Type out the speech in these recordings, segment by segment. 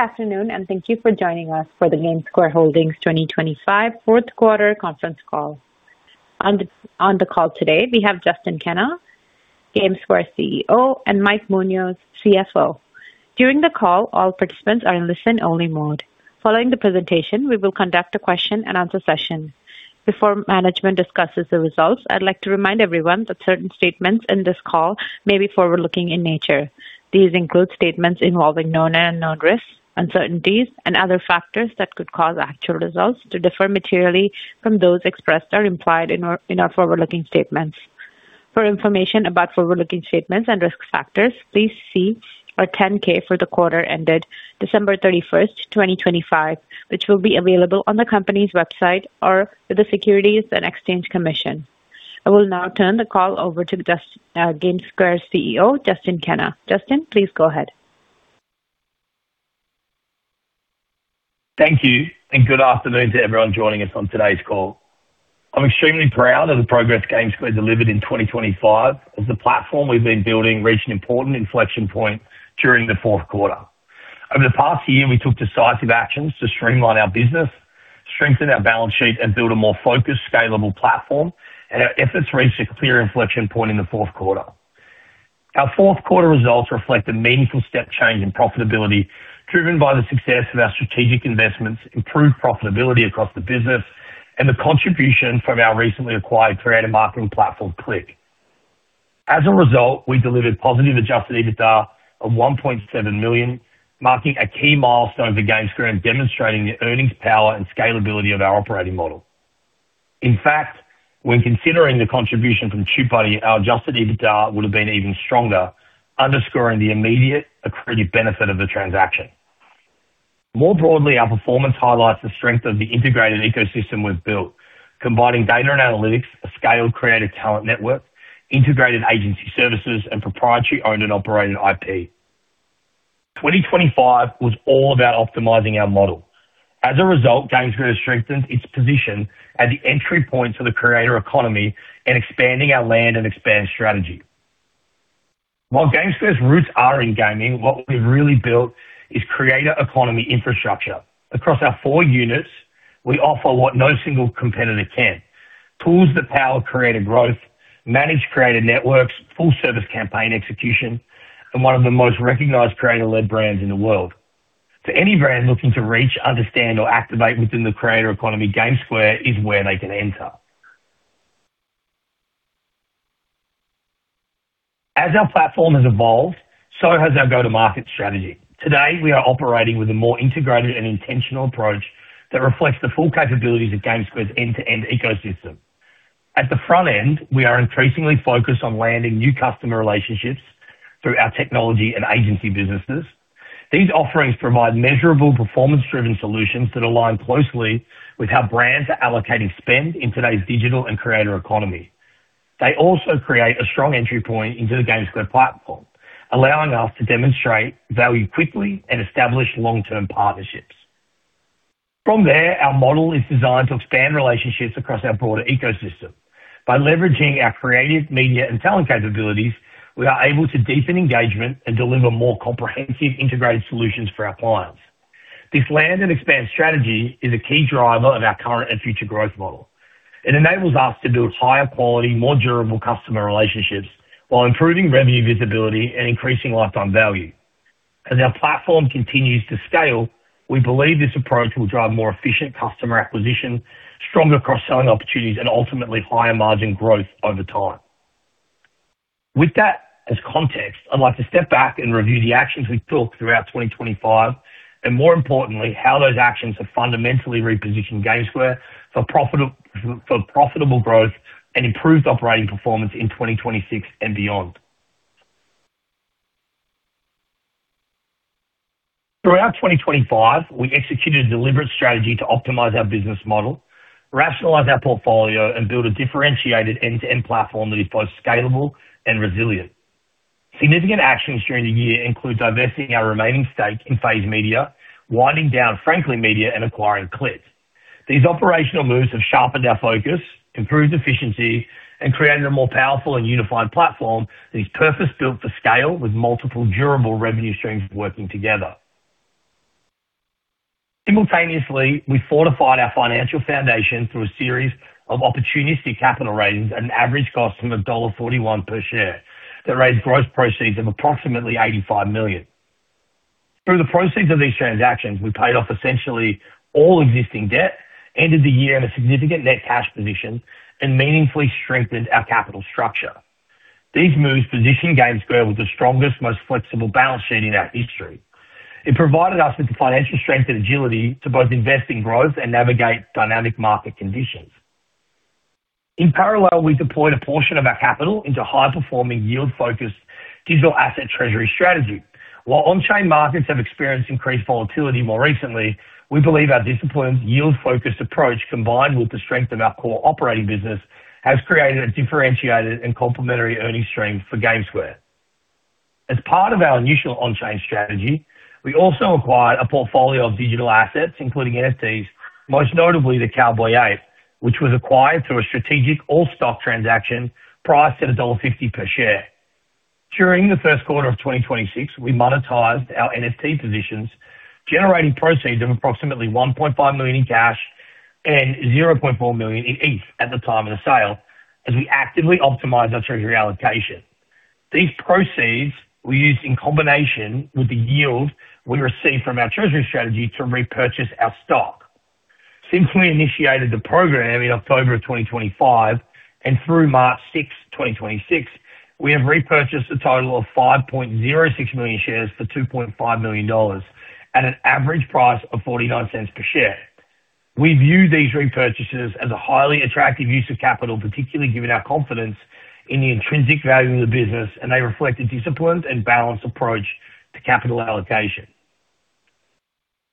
Good afternoon, and thank you for joining us for the GameSquare Holdings, Inc. 2025 Fourth Quarter Conference Call. On the call today, we have Justin Kenna, GameSquare CEO, and Mike Munoz, CFO. During the call, all participants are in listen-only mode. Following the presentation, we will conduct a question and answer session. Before management discusses the results, I'd like to remind everyone that certain statements in this call may be forward-looking in nature. These include statements involving known and unknown risks, uncertainties, and other factors that could cause actual results to differ materially from those expressed or implied in our forward-looking statements. For information about forward-looking statements and risk factors, please see our 10-K for the quarter ended December 31st, 2025, which will be available on the company's website or with the Securities and Exchange Commission. I will now turn the call over to GameSquare CEO, Justin Kenna. Justin, please go ahead. Thank you, and good afternoon to everyone joining us on today's call. I'm extremely proud of the progress GameSquare delivered in 2025 as the platform we've been building reached an important inflection point during the fourth quarter. Over the past year, we took decisive actions to streamline our business, strengthen our balance sheet, and build a more focused, scalable platform, and our efforts reached a clear inflection point in the fourth quarter. Our fourth quarter results reflect a meaningful step change in profitability, driven by the success of our strategic investments, improved profitability across the business, and the contribution from our recently acquired creative marketing platform, Click. As a result, we delivered positive adjusted EBITDA of $1.7 million, marking a key milestone for GameSquare and demonstrating the earnings power and scalability of our operating model. In fact, when considering the contribution from TubeBuddy, our adjusted EBITDA would have been even stronger, underscoring the immediate accretive benefit of the transaction. More broadly, our performance highlights the strength of the integrated ecosystem we've built, combining data and analytics, a scaled creative talent network, integrated agency services, and proprietary owned and operated IP. 2025 was all about optimizing our model. As a result, GameSquare has strengthened its position as the entry point to the creator economy and expanding our land and expand strategy. While GameSquare's roots are in gaming, what we've really built is creator economy infrastructure. Across our four units, we offer what no single competitor can. Tools that power creator growth, manage creator networks, full service campaign execution, and one of the most recognized creator-led brands in the world. To any brand looking to reach, understand, or activate within the creator economy, GameSquare is where they can enter. As our platform has evolved, so has our go-to-market strategy. Today, we are operating with a more integrated and intentional approach that reflects the full capabilities of GameSquare's end-to-end ecosystem. At the front end, we are increasingly focused on landing new customer relationships through our technology and agency businesses. These offerings provide measurable, performance-driven solutions that align closely with how brands are allocating spend in today's digital and creator economy. They also create a strong entry point into the GameSquare platform, allowing us to demonstrate value quickly and establish long-term partnerships. From there, our model is designed to expand relationships across our broader ecosystem. By leveraging our creative media and talent capabilities, we are able to deepen engagement and deliver more comprehensive integrated solutions for our clients. This land and expand strategy is a key driver of our current and future growth model. It enables us to build higher quality, more durable customer relationships while improving revenue visibility and increasing lifetime value. As our platform continues to scale, we believe this approach will drive more efficient customer acquisition, stronger cross-selling opportunities, and ultimately higher margin growth over time. With that as context, I'd like to step back and review the actions we've took throughout 2025, and more importantly, how those actions have fundamentally repositioned GameSquare for profitable growth and improved operating performance in 2026 and beyond. Throughout 2025, we executed a deliberate strategy to optimize our business model, rationalize our portfolio, and build a differentiated end-to-end platform that is both scalable and resilient. Significant actions during the year include divesting our remaining stake in FaZe Media, winding down Frankly Media, and acquiring Click. These operational moves have sharpened our focus, improved efficiency, and created a more powerful and unified platform that is purpose-built for scale with multiple durable revenue streams working together. Simultaneously, we fortified our financial foundation through a series of opportunistic capital raises at an average cost of $1.41 per share that raised gross proceeds of approximately $85 million. Through the proceeds of these transactions, we paid off essentially all existing debt, ended the year in a significant net cash position, and meaningfully strengthened our capital structure. These moves position GameSquare with the strongest, most flexible balance sheet in our history. It provided us with the financial strength and agility to both invest in growth and navigate dynamic market conditions. In parallel, we deployed a portion of our capital into high-performing, yield-focused digital asset treasury strategy. While on-chain markets have experienced increased volatility more recently, we believe our disciplined, yield-focused approach, combined with the strength of our core operating business, has created a differentiated and complementary earnings stream for GameSquare. As part of our initial on-chain strategy, we also acquired a portfolio of digital assets, including NFTs, most notably the Cowboy Ape, which was acquired through a strategic all-stock transaction priced at $1.50 per share. During the first quarter of 2026, we monetized our NFT positions, generating proceeds of approximately $1.5 million in cash and 0.4 million ETH at the time of the sale, as we actively optimize our treasury allocation. These proceeds we used in combination with the yield we received from our treasury strategy to repurchase our stock. Since we initiated the program in October of 2025 and through March 6th, 2026, we have repurchased a total of 5.06 million shares for $2.5 million at an average price of $0.49 per share. We view these repurchases as a highly attractive use of capital, particularly given our confidence in the intrinsic value of the business, and they reflect a disciplined and balanced approach to capital allocation.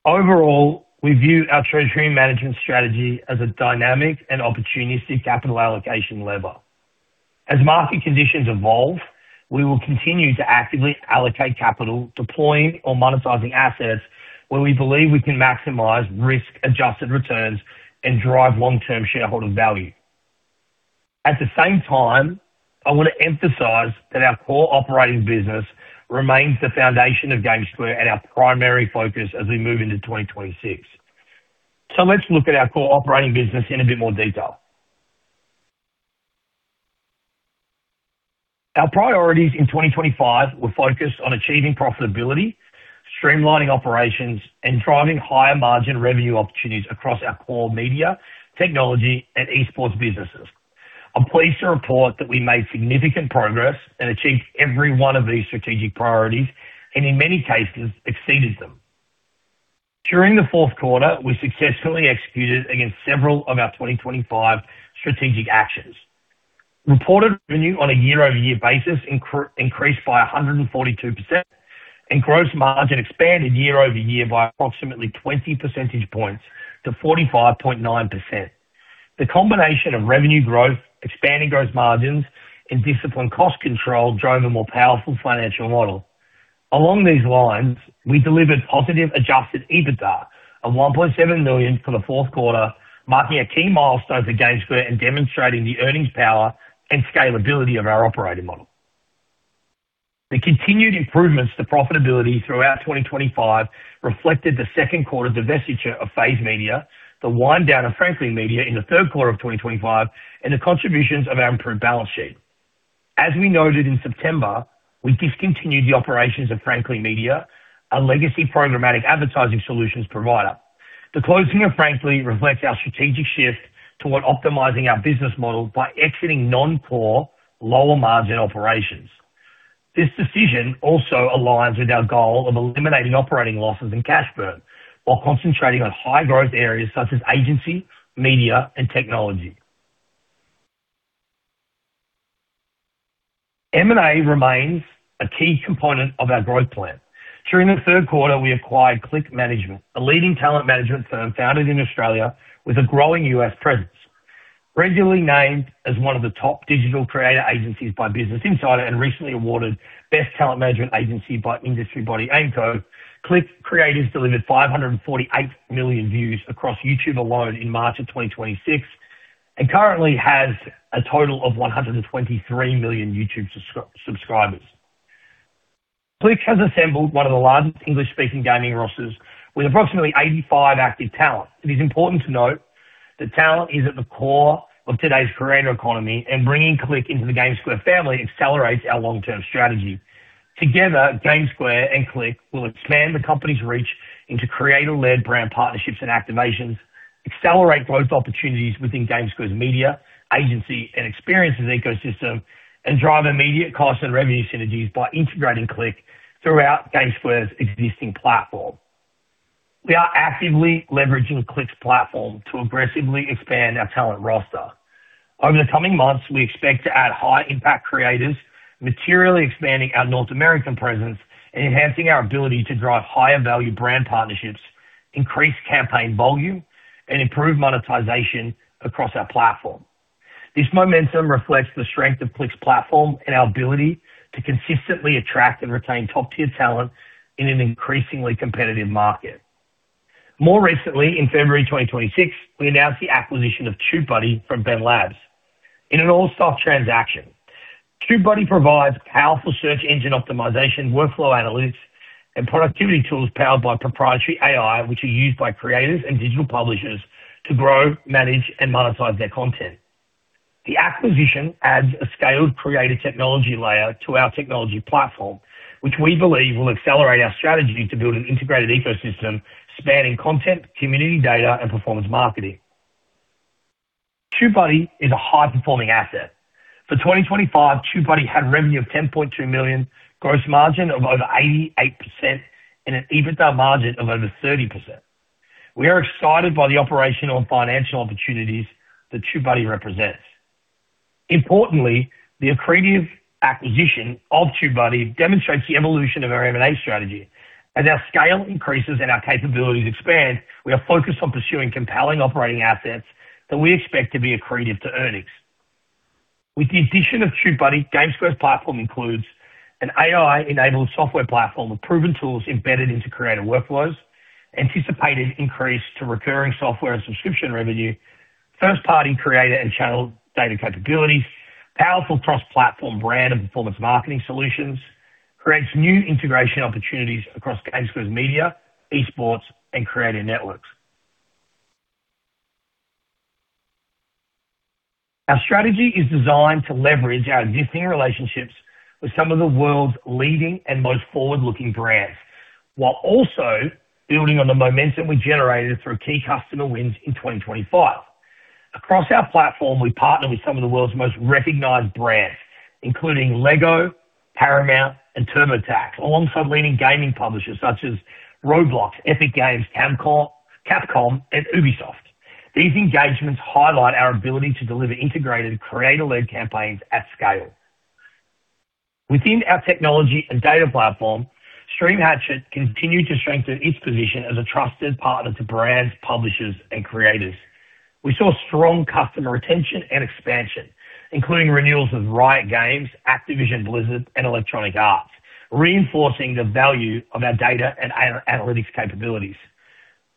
Overall, we view our treasury management strategy as a dynamic and opportunistic capital allocation lever. As market conditions evolve, we will continue to actively allocate capital, deploying or monetizing assets where we believe we can maximize risk-adjusted returns and drive long-term shareholder value. At the same time, I want to emphasize that our core operating business remains the foundation of GameSquare and our primary focus as we move into 2026. Let's look at our core operating business in a bit more detail. Our priorities in 2025 were focused on achieving profitability, streamlining operations, and driving higher-margin revenue opportunities across our core media, technology, and esports businesses. I'm pleased to report that we made significant progress and achieved every one of these strategic priorities and, in many cases, exceeded them. During the fourth quarter, we successfully executed against several of our 2025 strategic actions. Reported revenue on a year-over-year basis increased by 142%, and gross margin expanded year-over-year by approximately 20 percentage points to 45.9%. The combination of revenue growth, expanding gross margins, and disciplined cost control drove a more powerful financial model. Along these lines, we delivered positive adjusted EBITDA of $1.7 million for the fourth quarter, marking a key milestone for GameSquare and demonstrating the earnings power and scalability of our operating model. The continued improvements to profitability throughout 2025 reflected the second quarter divestiture of Phase Media, the wind down of Frankly Media in the third quarter of 2025, and the contributions of our improved balance sheet. As we noted in September, we discontinued the operations of Frankly Media, a legacy programmatic advertising solutions provider. The closing of Frankly reflects our strategic shift toward optimizing our business model by exiting non-core, lower-margin operations. This decision also aligns with our goal of eliminating operating losses and cash burn while concentrating on high-growth areas such as agency, media, and technology. M&A remains a key component of our growth plan. During the third quarter, we acquired Click Management, a leading talent management firm founded in Australia with a growing US presence. Regularly named as one of the top digital creator agencies by Business Insider and recently awarded Best Talent Management Agency by industry body AiMCO, Click Creators delivered 548 million views across YouTube alone in March of 2026 and currently has a total of 123 million YouTube subscribers. Click has assembled one of the largest English-speaking gaming rosters with approximately 85 active talent. It is important to note that talent is at the core of today's creator economy, and bringing Click into the GameSquare family accelerates our long-term strategy. Together, GameSquare and Click will expand the company's reach into creator-led brand partnerships and activations, accelerate growth opportunities within GameSquare's media, agency, and experiences ecosystem, and drive immediate cost and revenue synergies by integrating Click throughout GameSquare's existing platform. We are actively leveraging Click's platform to aggressively expand our talent roster. Over the coming months, we expect to add high-impact creators, materially expanding our North American presence and enhancing our ability to drive higher-value brand partnerships, increase campaign volume, and improve monetization across our platform. This momentum reflects the strength of Click's platform and our ability to consistently attract and retain top-tier talent in an increasingly competitive market. More recently, in February 2026, we announced the acquisition of TubeBuddy from BENlabs in an all-stock transaction. TubeBuddy provides powerful search engine optimization, workflow analytics, and productivity tools powered by proprietary AI, which are used by creators and digital publishers to grow, manage, and monetize their content. The acquisition adds a scaled creator technology layer to our technology platform, which we believe will accelerate our strategy to build an integrated ecosystem spanning content, community data, and performance marketing. TubeBuddy is a high-performing asset. For 2025, TubeBuddy had revenue of $10.2 million, gross margin of over 88%, and an EBITDA margin of over 30%. We are excited by the operational and financial opportunities that TubeBuddy represents. Importantly, the accretive acquisition of TubeBuddy demonstrates the evolution of our M&A strategy. As our scale increases and our capabilities expand, we are focused on pursuing compelling operating assets that we expect to be accretive to earnings. With the addition of TubeBuddy, GameSquare's platform includes an AI-enabled software platform with proven tools embedded into creative workflows. The anticipated increase to recurring software and subscription revenue, first-party creator and channel data capabilities, powerful cross-platform brand and performance marketing solutions create new integration opportunities across GameSquare's media, esports, and creative networks. Our strategy is designed to leverage our existing relationships with some of the world's leading and most forward-looking brands, while also building on the momentum we generated through key customer wins in 2025. Across our platform, we partner with some of the world's most recognized brands, including Lego, Paramount, and TurboTax, alongside leading gaming publishers such as Roblox, Epic Games, Capcom, and Ubisoft. These engagements highlight our ability to deliver integrated creator-led campaigns at scale. Within our technology and data platform, Stream Hatchet continued to strengthen its position as a trusted partner to brands, publishers, and creators. We saw strong customer retention and expansion, including renewals of Riot Games, Activision Blizzard, and Electronic Arts, reinforcing the value of our data and analytics capabilities.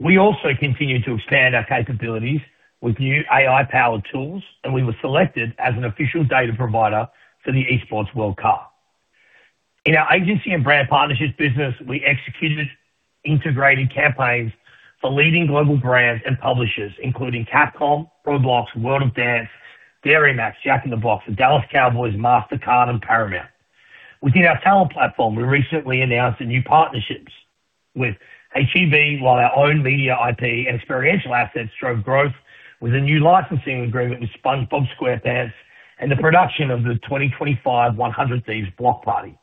We also continued to expand our capabilities with new AI-powered tools, and we were selected as an official data provider for the Esports World Cup. In our agency and brand partnerships business, we executed integrated campaigns for leading global brands and publishers, including Capcom, Roblox, World of Dance, Dairy MAX, Jack in the Box, the Dallas Cowboys, Mastercard, and Paramount. Within our talent platform, we recently announced new partnerships with H-E-B, while our own media IP and experiential assets drove growth with a new licensing agreement with SpongeBob SquarePants and the production of the 2025 100 Thieves Block Party.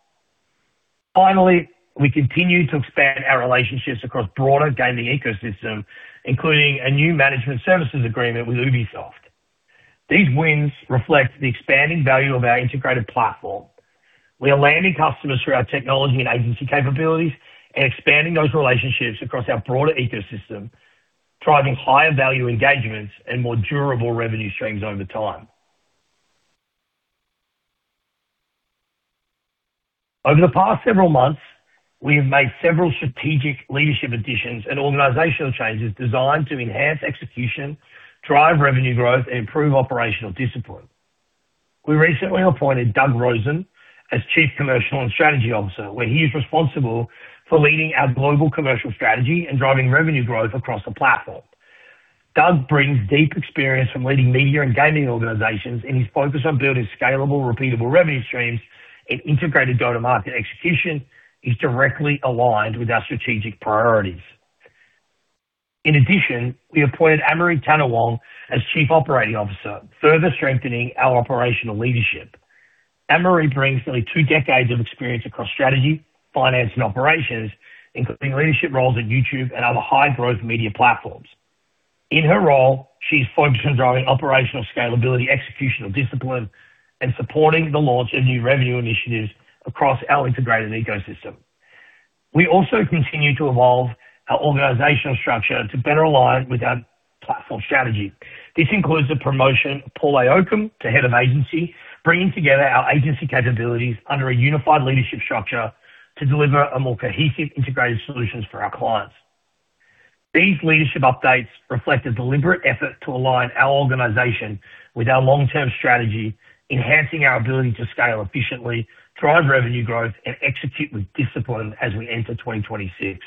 Finally, we continue to expand our relationships across broader gaming ecosystem, including a new management services agreement with Ubisoft. These wins reflect the expanding value of our integrated platform. We are landing customers through our technology and agency capabilities and expanding those relationships across our broader ecosystem, driving higher value engagements and more durable revenue streams over time. Over the past several months, we have made several strategic leadership additions and organizational changes designed to enhance execution, drive revenue growth, and improve operational discipline. We recently appointed Doug Rosen as Chief Commercial and Strategy Officer, where he is responsible for leading our global commercial strategy and driving revenue growth across the platform. Doug brings deep experience from leading media and gaming organizations, and his focus on building scalable, repeatable revenue streams and integrated go-to-market execution is directly aligned with our strategic priorities. In addition, we appointed Amaree Tanawong as Chief Operating Officer, further strengthening our operational leadership. Amaree brings nearly two decades of experience across strategy, finance, and operations, including leadership roles at YouTube and other high-growth media platforms. In her role, she's focused on driving operational scalability, executional discipline, and supporting the launch of new revenue initiatives across our integrated ecosystem. We also continue to evolve our organizational structure to better align with our platform strategy. This includes the promotion of Paul Ioakim to head of agency, bringing together our agency capabilities under a unified leadership structure to deliver a more cohesive integrated solutions for our clients. These leadership updates reflect a deliberate effort to align our organization with our long-term strategy, enhancing our ability to scale efficiently, drive revenue growth, and execute with discipline as we enter 2026.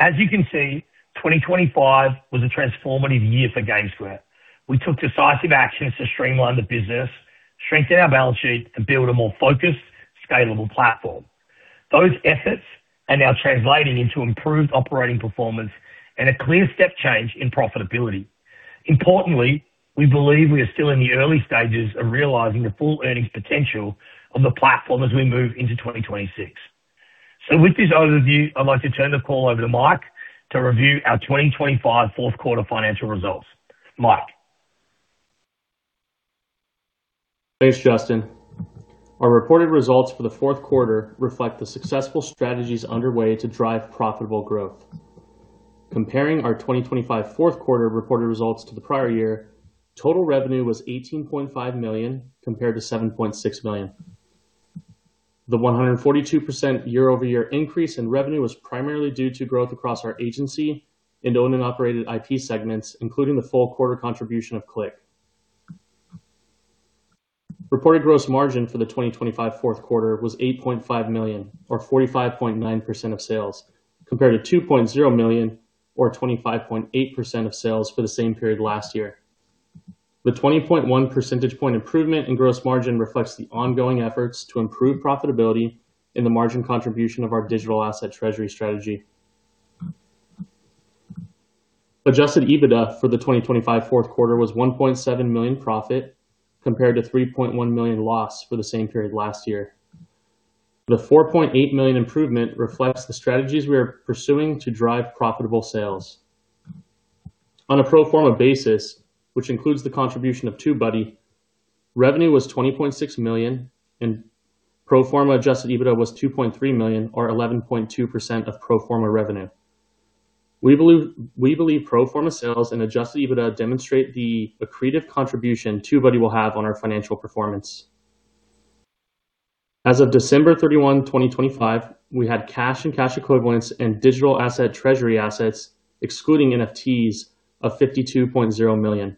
As you can see, 2025 was a transformative year for GameSquare. We took decisive actions to streamline the business, strengthen our balance sheet, and build a more focused, scalable platform. Those efforts are now translating into improved operating performance and a clear step change in profitability. Importantly, we believe we are still in the early stages of realizing the full earnings potential of the platform as we move into 2026. With this overview, I'd like to turn the call over to Mike to review our 2025 fourth quarter financial results. Mike? Thanks, Justin. Our reported results for the fourth quarter reflect the successful strategies underway to drive profitable growth. Comparing our 2025 fourth quarter reported results to the prior year, total revenue was $18.5 million, compared to $7.6 million. The 142% year-over-year increase in revenue was primarily due to growth across our agency and owned and operated IP segments, including the full quarter contribution of Click. Reported gross margin for the 2025 fourth quarter was $8.5 million or 45.9% of sales, compared to $2.0 million or 25.8% of sales for the same period last year. The 20.1 percentage point improvement in gross margin reflects the ongoing efforts to improve profitability in the margin contribution of our digital asset treasury strategy. Adjusted EBITDA for the 2025 fourth quarter was $1.7 million profit, compared to $3.1 million loss for the same period last year. The $4.8 million improvement reflects the strategies we are pursuing to drive profitable sales. On a pro forma basis, which includes the contribution of TubeBuddy, revenue was $20.6 million, and pro forma adjusted EBITDA was $2.3 million or 11.2% of pro forma revenue. We believe pro forma sales and adjusted EBITDA demonstrate the accretive contribution TubeBuddy will have on our financial performance. As of December 31, 2025, we had cash and cash equivalents and digital asset treasury assets, excluding NFTs, of $52.0 million.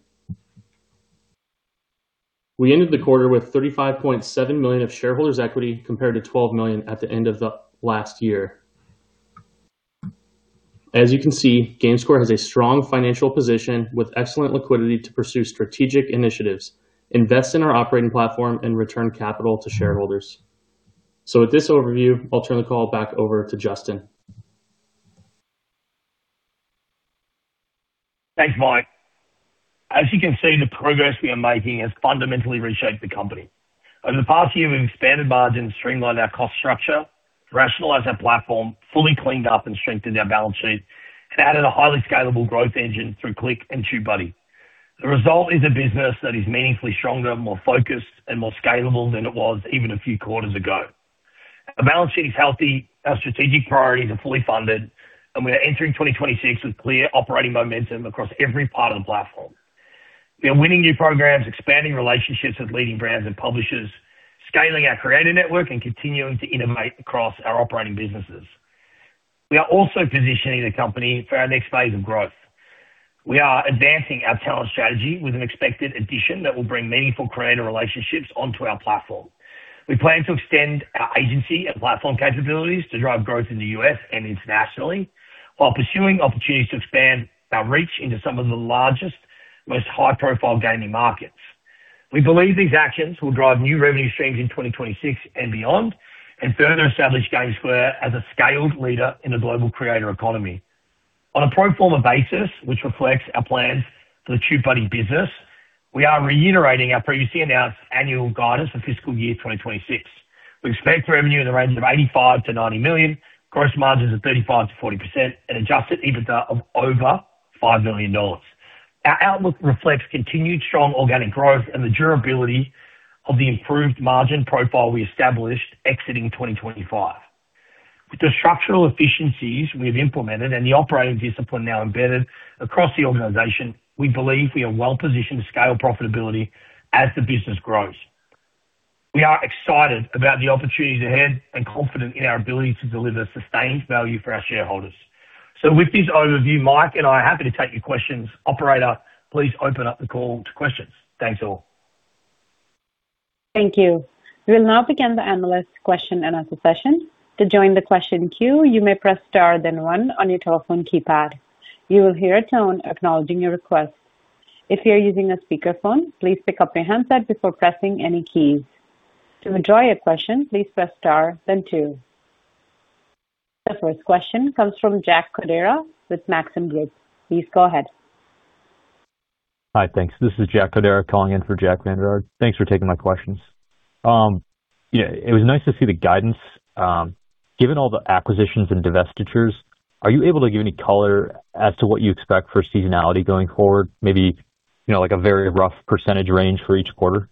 We ended the quarter with $35.7 million of shareholders' equity, compared to $12 million at the end of last year. As you can see, GameSquare has a strong financial position with excellent liquidity to pursue strategic initiatives, invest in our operating platform, and return capital to shareholders. With this overview, I'll turn the call back over to Justin. Thanks, Mike. As you can see, the progress we are making has fundamentally reshaped the company. Over the past year, we've expanded margins, streamlined our cost structure, rationalized our platform, fully cleaned up and strengthened our balance sheet, and added a highly scalable growth engine through Click and TubeBuddy. The result is a business that is meaningfully stronger, more focused and more scalable than it was even a few quarters ago. Our balance sheet is healthy, our strategic priorities are fully funded, and we are entering 2026 with clear operating momentum across every part of the platform. We are winning new programs, expanding relationships with leading brands and publishers, scaling our creator network and continuing to innovate across our operating businesses. We are also positioning the company for our next phase of growth. We are advancing our talent strategy with an expected addition that will bring meaningful creator relationships onto our platform. We plan to extend our agency and platform capabilities to drive growth in the US and internationally, while pursuing opportunities to expand our reach into some of the largest, most high-profile gaming markets. We believe these actions will drive new revenue streams in 2026 and beyond, and further establish GameSquare as a scaled leader in the global creator economy. On a pro forma basis, which reflects our plans for the TubeBuddy business, we are reiterating our previously announced annual guidance for fiscal year 2026. We expect revenue in the range of $85 million-$90 million, gross margins of 35%-40%, and adjusted EBITDA of over $5 million. Our outlook reflects continued strong organic growth and the durability of the improved margin profile we established exiting 2025. With the structural efficiencies we have implemented and the operating discipline now embedded across the organization, we believe we are well-positioned to scale profitability as the business grows. We are excited about the opportunities ahead and confident in our ability to deliver sustained value for our shareholders. With this overview, Mike and I are happy to take your questions. Operator, please open up the call to questions. Thanks all. Thank you. We'll now begin the analyst question and answer session. To join the question queue, you may press star, then one on your telephone keypad. You will hear a tone acknowledging your request. If you are using a speakerphone, please pick up your handset before pressing any keys. To withdraw your question, please press star then two. The first question comes from Jack Codera with Maxim Group. Please go ahead. Hi. Thanks. This is Jack Codera calling in for Jack Vander Aarde. Thanks for taking my questions. It was nice to see the guidance. Given all the acquisitions and divestitures, are you able to give any color as to what you expect for seasonality going forward? Maybe, like a very rough percentage range for each quarter.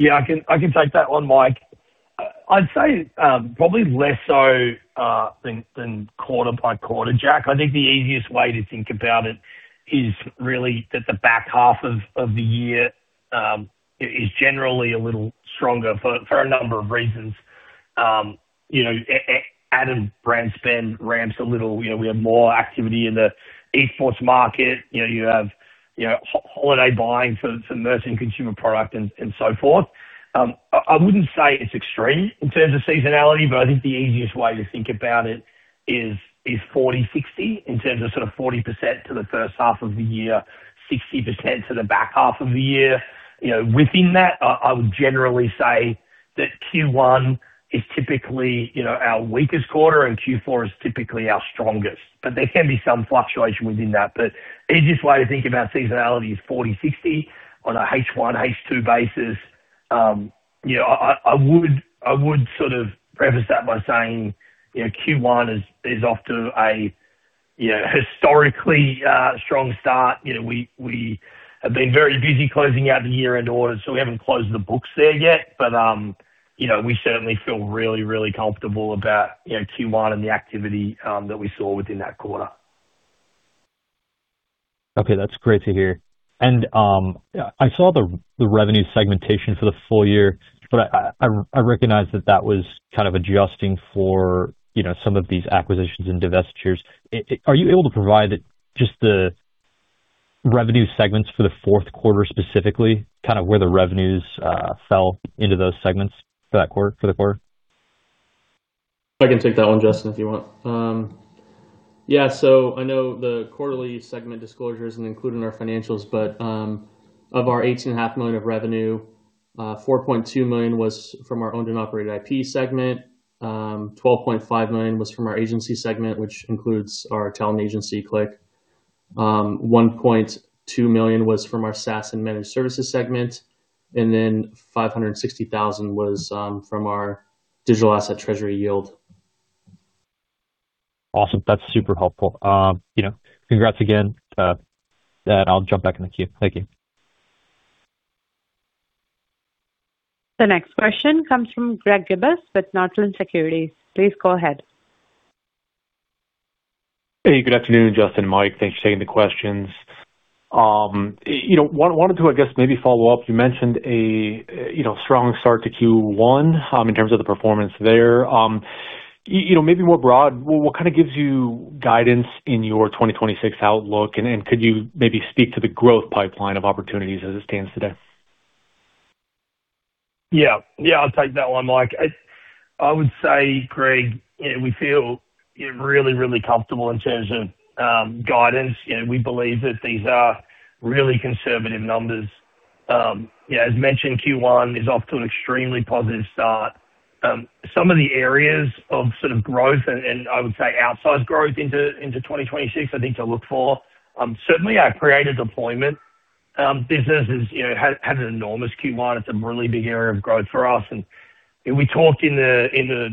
Yeah, I can take that one, Mike. I'd say, probably less so than quarter-by-quarter, Jack. I think the easiest way to think about it is really that the back half of the year is generally a little stronger for a number of reasons. Added brand spend ramps a little. We have more activity in the esports market. You have holiday buying for merchant consumer product and so forth. I wouldn't say it's extreme in terms of seasonality, but I think the easiest way to think about it is 40/60 in terms of sort of 40% to the first half of the year, 60% to the back half of the year. Within that, I would generally say that Q1 is typically our weakest quarter and Q4 is typically our strongest. There can be some fluctuation within that. Easiest way to think about seasonality is 40/60 on a H1, H2 basis. I would sort of preface that by saying Q1 is off to a historically strong start. We have been very busy closing out the year-end orders, so we haven't closed the books there yet. We certainly feel really, really comfortable about Q1 and the activity that we saw within that quarter. Okay, that's great to hear. I saw the revenue segmentation for the full year, but I recognize that that was kind of adjusting for some of these acquisitions and divestitures. Are you able to provide just the revenue segments for the fourth quarter, specifically, kind of where the revenues fell into those segments for the quarter? I can take that one, Justin, if you want. Yeah. I know the quarterly segment disclosure isn't included in our financials, but of our $18.5 million of revenue, $4.2 million was from our owned and operated IP segment. $12.5 million was from our agency segment, which includes our talent agency, Click. $1.2 million was from our SaaS and managed services segment, and then $560,000 was from our digital asset treasury yield. Awesome. That's super helpful. Congrats again. I'll jump back in the queue. Thank you. The next question comes from Greg Gibas with Northland Securities. Please go ahead. Hey, good afternoon, Justin and Mike. Thanks for taking the questions. Wanted to, I guess, maybe follow up. You mentioned a strong start to Q1 in terms of the performance there. Maybe more broad, what kind of gives you guidance in your 2026 outlook, and could you maybe speak to the growth pipeline of opportunities as it stands today? Yeah. I'll take that one, Mike. I would say, Greg, we feel really comfortable in terms of guidance. We believe that these are really conservative numbers. As mentioned, Q1 is off to an extremely positive start. Some of the areas of sort of growth and I would say outsized growth into 2026, I think to look for. Certainly, our creator deployment business has had an enormous Q1. It's a really big area of growth for us. We talked in the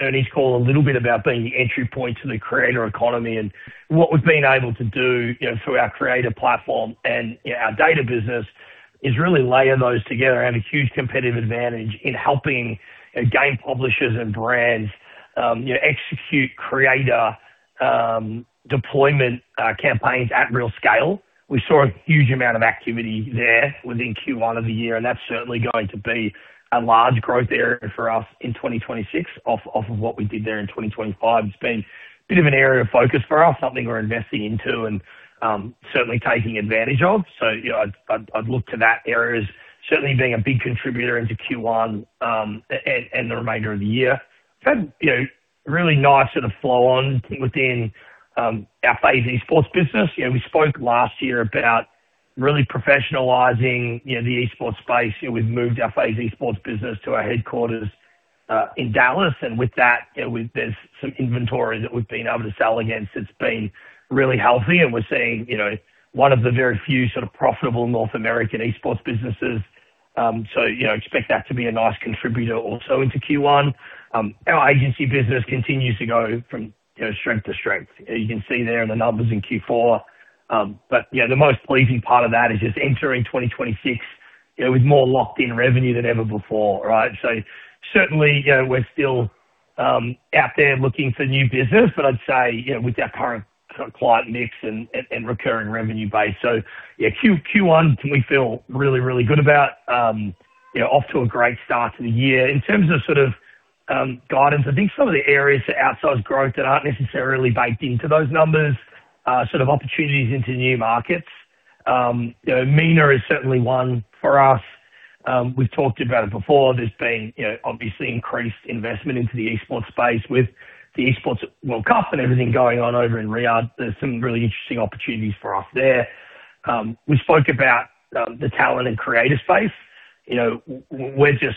earnings call a little bit about being the entry point to the creator economy and what we've been able to do through our creator platform and our data business is really layer those together and a huge competitive advantage in helping game publishers and brands execute creator deployment campaigns at real scale. We saw a huge amount of activity there within Q1 of the year, and that's certainly going to be a large growth area for us in 2026 off of what we did there in 2025. It's been a bit of an area of focus for us, something we're investing into and certainly taking advantage of. I'd look to that area as certainly being a big contributor into Q1 and the remainder of the year. We had really nice sort of flow on within our FaZe esports business. We spoke last year about really professionalizing the esports space. We've moved our FaZe esports business to our headquarters in Dallas, and with that, there's some inventory that we've been able to sell against that's been really healthy, and we're seeing one of the very few sort of profitable North American esports businesses. Expect that to be a nice contributor also into Q1. Our agency business continues to go from strength to strength. You can see there in the numbers in Q4. The most pleasing part of that is just entering 2026 with more locked-in revenue than ever before. Certainly, we're still out there looking for new business, but I'd say with our current client mix and recurring revenue base. Q1, we can feel really good about off to a great start to the year. In terms of sort of guidance, I think some of the areas for outsized growth that aren't necessarily baked into those numbers are sort of opportunities into new markets. MENA is certainly one for us. We've talked about it before. There's been obviously increased investment into the esports space with the Esports World Cup and everything going on over in Riyadh. There's some really interesting opportunities for us there. We spoke about the talent and creator space. We're just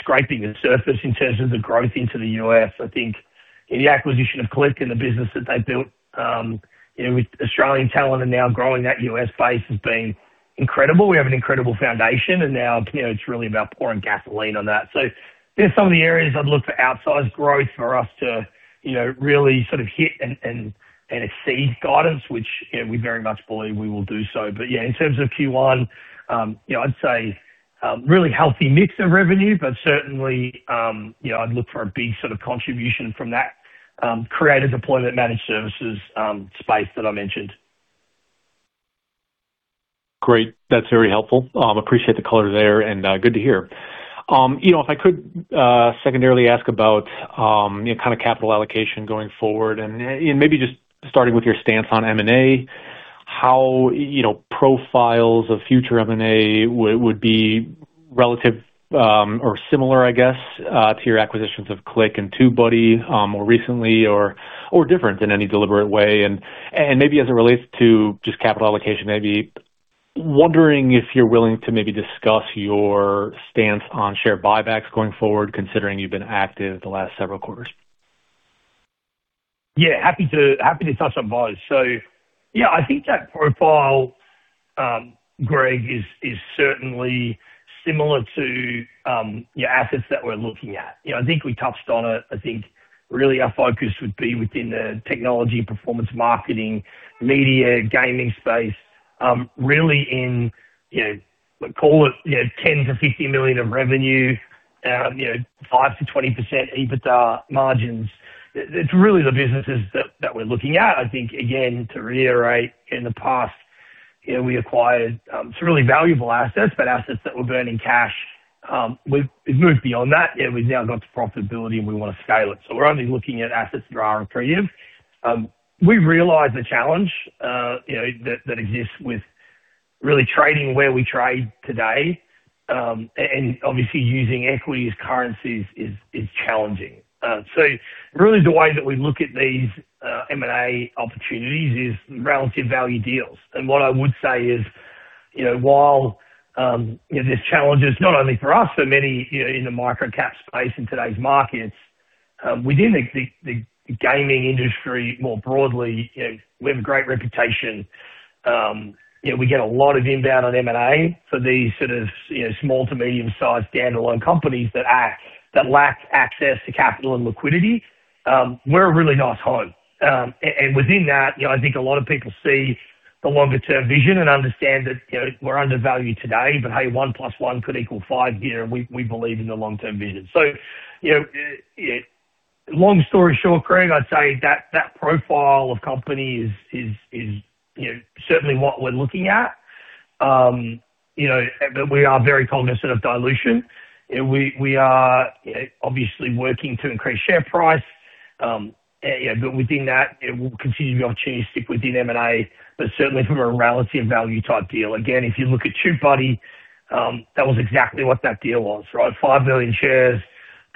scraping the surface in terms of the growth into the US. I think the acquisition of Click and the business that they built with Australian talent and now growing that US base has been incredible. We have an incredible foundation, and now it's really about pouring gasoline on that. There's some of the areas I'd look for outsized growth for us to really sort of hit and exceed guidance, which we very much believe we will do so. Yeah, in terms of Q1, I'd say really healthy mix of revenue, but certainly, I'd look for a big sort of contribution from that creator deployment managed services space that I mentioned. Great. That's very helpful. Appreciate the color there and good to hear. If I could secondarily ask about kind of capital allocation going forward and maybe just starting with your stance on M&A, how profiles of future M&A would be relative or similar, I guess, to your acquisitions of Click and TubeBuddy more recently or different in any deliberate way? Maybe as it relates to just capital allocation, maybe wondering if you're willing to maybe discuss your stance on share buybacks going forward, considering you've been active the last several quarters. Yeah, happy to touch on both. Yeah, I think that profile, Greg, is certainly similar to assets that we're looking at. I think we touched on it. I think really our focus would be within the technology, performance marketing, media, gaming space, really in call it $10 million-$50 million of revenue, 5%-20% EBITDA margins. It's really the businesses that we're looking at. I think, again, to reiterate, in the past, we acquired some really valuable assets, but assets that were burning cash. We've moved beyond that. We've now got to profitability, and we want to scale it. We're only looking at assets that are accretive. We realize the challenge that exists with really trading where we trade today. Obviously, using equity as currency is challenging. Really the way that we look at these M&A opportunities is relative value deals. What I would say is, while there's challenges, not only for us, for many in the microcap space in today's markets, within the gaming industry, more broadly, we have a great reputation. We get a lot of inbound on M&A for these sort of small to medium sized standalone companies that lack access to capital and liquidity. We're a really nice home. Within that, I think a lot of people see the longer-term vision and understand that we're undervalued today, but hey, one plus one could equal five here, and we believe in the long-term vision. Long story short, Greg, I'd say that profile of company is certainly what we're looking at. We are very cognizant of dilution. We are obviously working to increase share price. Within that, it will continue to be opportunistic within M&A, but certainly from a relative value type deal. Again, if you look at TubeBuddy, that was exactly what that deal was, right? 5 million shares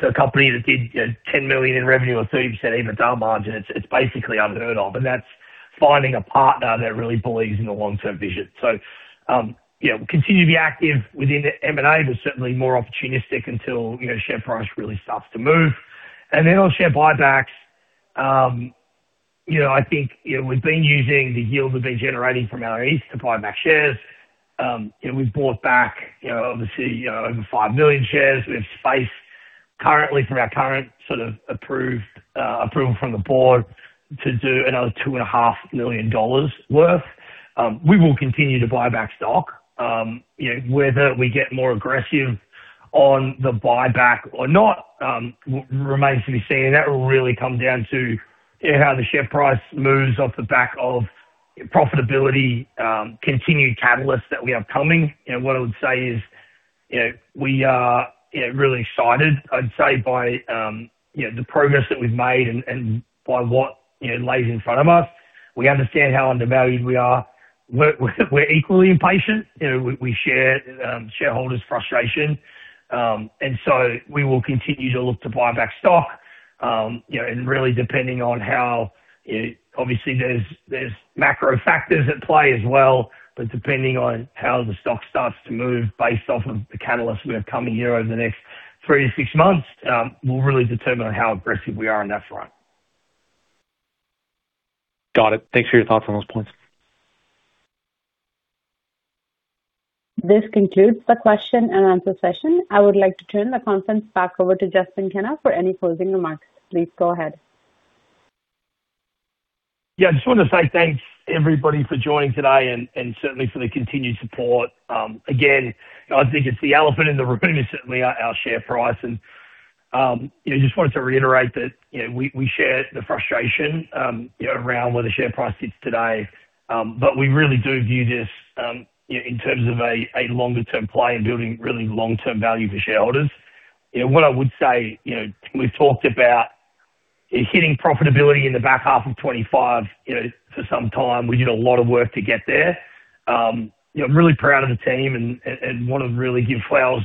to a company that did $10 million in revenue or 30% EBITDA margin, it's basically unheard of. That's finding a partner that really believes in the long-term vision. Continue to be active within M&A, but certainly more opportunistic until share price really starts to move. On share buybacks, I think we've been using the yield we've been generating from our lease to buy back shares. We've bought back obviously over 5 million shares. We have space currently from our current sort of approval from the board to do another $2.5 million worth. We will continue to buy back stock. Whether we get more aggressive on the buyback or not remains to be seen. That will really come down to how the share price moves off the back of profitability, continued catalysts that we have coming. What I would say is we are really excited, I'd say by the progress that we've made and by what lies in front of us. We understand how undervalued we are. We're equally impatient. We share shareholders' frustration. We will continue to look to buy back stock, and really depending on how. Obviously, there's macro factors at play as well. Depending on how the stock starts to move based off of the catalysts we have coming here over the next 3-6 months, will really determine on how aggressive we are on that front. Got it. Thanks for your thoughts on those points. This concludes the question and answer session. I would like to turn the conference back over to Justin Kenna for any closing remarks. Please go ahead. Yeah, I just wanted to say thanks everybody for joining today and certainly for the continued support. Again, I think it's the elephant in the room is certainly our share price. I just wanted to reiterate that we share the frustration around where the share price sits today. We really do view this in terms of a longer-term play and building really long-term value for shareholders. What I would say, we've talked about hitting profitability in the back half of 2025 for some time. We did a lot of work to get there. I'm really proud of the team and want to really give flowers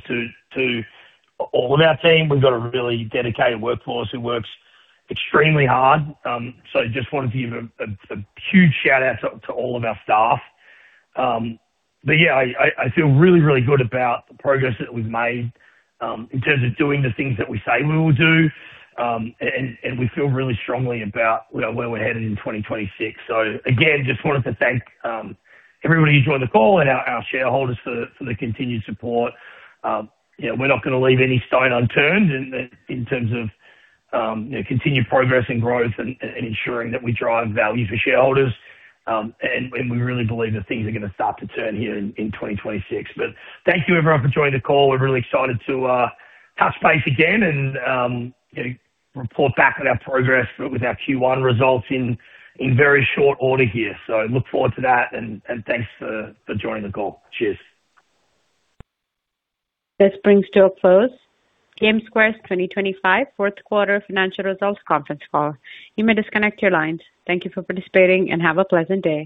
to all of our team. We've got a really dedicated workforce who works extremely hard. I just wanted to give a huge shout-out to all of our staff. Yeah, I feel really, really good about the progress that we've made in terms of doing the things that we say we will do. We feel really strongly about where we're headed in 2026. Again, just wanted to thank everybody who joined the call and our shareholders for the continued support. We're not going to leave any stone unturned in terms of continued progress and growth and ensuring that we drive value for shareholders. We really believe that things are going to start to turn here in 2026. Thank you everyone for joining the call. We're really excited to touch base again and report back on our progress with our Q1 results in very short order here. Look forward to that and thanks for joining the call. Cheers. This brings to a close GameSquare's 2025 fourth quarter financial results conference call. You may disconnect your lines. Thank you for participating and have a pleasant day.